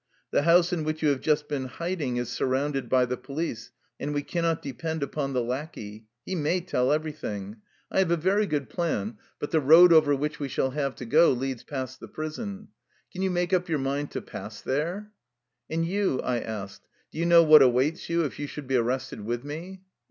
The house in which you have just been hiding is surrounded by the police, and we cannot depend upon the lackey. He may tell everything. I have a very good plan, but 208 THE LIFE STORY OF A RUSSIAN EXILE the road over which we shall have to go leads past the prison. Can you make up your mind to pass there? "" And you/' I asked, —^' Do you know what awaits you if you should be arrested with me?"